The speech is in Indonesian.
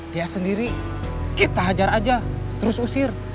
dia sendiri kita hajar aja terus usir